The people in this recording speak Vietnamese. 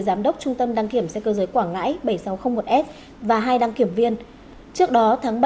giám đốc trung tâm đăng kiểm xe cơ giới quảng ngãi bảy nghìn sáu trăm linh một s và hai đăng kiểm viên trước đó tháng ba